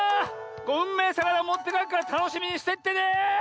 うんめえさかなもってかえっからたのしみにしてってね！